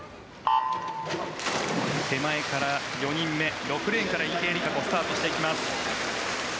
手前から４人目６レーンから池江璃花子スタートしていきます。